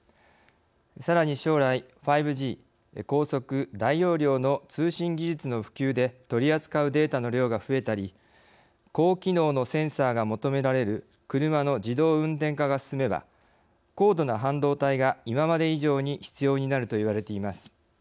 さらに将来５Ｇ高速大容量の通信技術の普及で取り扱うデータの量が増えたり高機能のセンサーが求められる車の自動運転化が進めば高度な半導体が今まで以上に必要になると言われています。